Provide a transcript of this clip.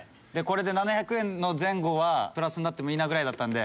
７００円の前後プラスになってもいいぐらいだったんで。